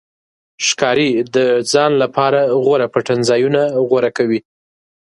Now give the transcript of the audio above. ښکاري د ځان لپاره غوره پټنځایونه غوره کوي.